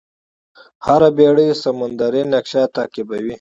هره بېړۍ سمندري نقشه تعقیبوي.